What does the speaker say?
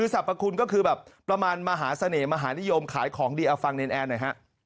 สรรพคุณก็คือแบบประมาณมหาเสน่หมหานิยมขายของดีเอาฟังเนรนแอร์หน่อยฮะ